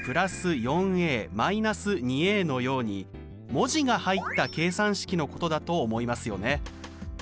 文字が入った計算式のことだと思いますよね。